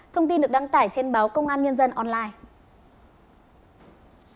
thông tin được đăng tải trên báo công an nhân dân online